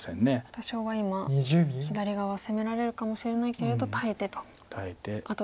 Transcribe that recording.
多少は今左側攻められるかもしれないけれど耐えてと。